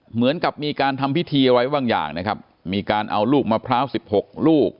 เหมือนกับมีการทำพิธีอะไรบางอย่างนะครับมีการเอาลูกมะพร้าวสิบหกลูก